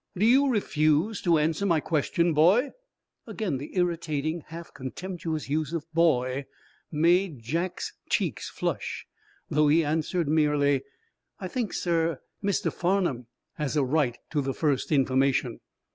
"Do you refuse to answer my question, boy?" Again the irritating, half contemptuous use of "boy" made Jack's cheeks flush, though he answered merely: "I think, sir, Mr. Farnum has a right to the first information."